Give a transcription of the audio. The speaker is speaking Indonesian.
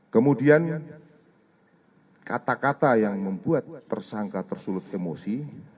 kemudian kata kata yang membuat tersangka tersulut emosi